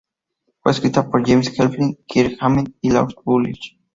Fue escrita por James Hetfield, Kirk Hammett y Lars Ulrich.